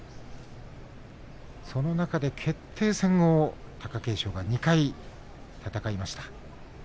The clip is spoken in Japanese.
その中で決定戦を貴景勝が２回戦いました。